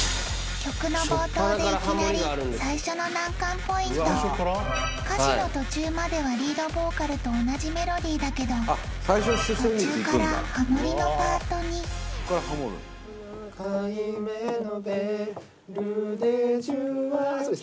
曲の冒頭でいきなり最初の難関ポイント歌詞の途中まではリードボーカルと同じメロディーだけど途中からハモリのパートにそうです